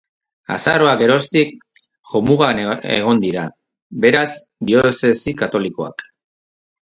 Azaroaz geroztik, jomugan egon dira, beraz, diozesi katolikoak.